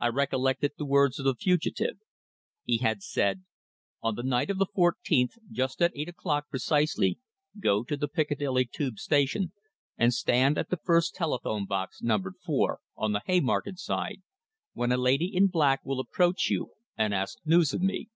I recollected the words of the fugitive. He had said: "On the night of the fourteenth just at eight o'clock precisely, go to the Piccadilly Tube Station and stand at the first telephone box numbered four, on the Haymarket side, when a lady in black will approach you and ask news of me.